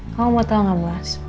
kamu mau tahu gak mas